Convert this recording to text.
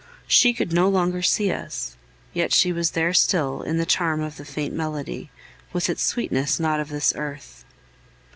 She could no longer see us! Yet she was there still in the charm of the faint melody, with its sweetness not of this earth.